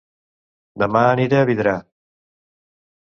Dema aniré a Vidrà